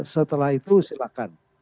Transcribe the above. setelah itu silakan